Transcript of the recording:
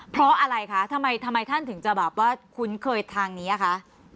เพราะอะไรคะทำไมท่านถึงจะแบบว่าคุ้นเคยทางนี้อะคะ